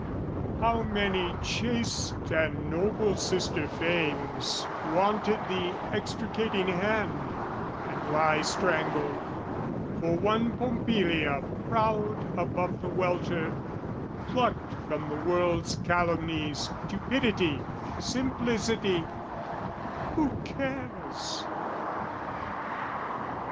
"How many chaste and noble sister fames "Wanted the extricating hand, and lie "Strangled, for one Pompilia proud above "The welter, plucked from the world's calumny, "Stupidity, simplicity, who cares?